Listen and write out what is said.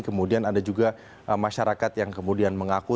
kemudian ada juga masyarakat yang kemudian mengaku